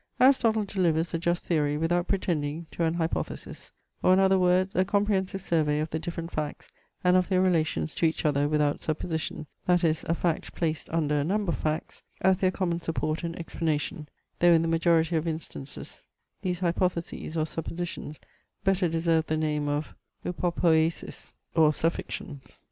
Aristotle delivers a just theory without pretending to an hypothesis; or in other words a comprehensive survey of the different facts, and of their relations to each other without supposition, that is, a fact placed under a number of facts, as their common support and explanation; though in the majority of instances these hypotheses or suppositions better deserve the name of upopoiaeseis, or suffictions.